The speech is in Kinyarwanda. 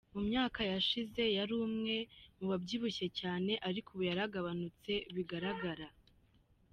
Mu myaka yashize yari umwe mu babyibushye cyane ariko ubu yaragabanutse bigaragara.